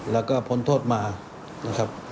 แล้วก็พ้นโทษมานะครับ